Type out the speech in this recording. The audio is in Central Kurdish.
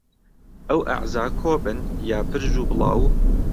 ئەو ئەعزا کۆبن یا پرژ و بڵاو